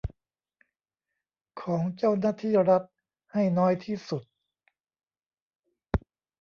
ของเจ้าหน้าที่รัฐให้น้อยที่สุด